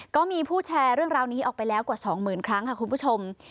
ก็มีผู้แชร์เรื่องราวนี้ออกไปแล้วกว่า๒๐๐๐ครั้งค่ะคุณผู้ชม